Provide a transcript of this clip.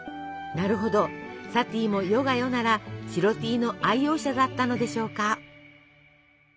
なるほどサティも世が世なら白Ｔの愛用者だったのでしょうか。